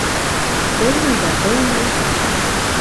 Тыумай ҙа тыумай...